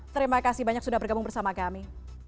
terima kasih banyak sudah bergabung bersama kami